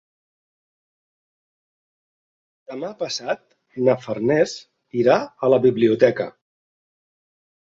Demà passat na Farners irà a la biblioteca.